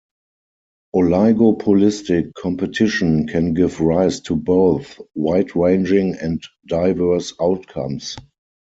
Oligopolistic competition can give rise to both wide-ranging and diverse outcomes.